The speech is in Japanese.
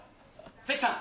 関さん。